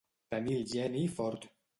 Tenir el geni fort.